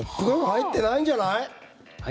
入ってないんじゃない。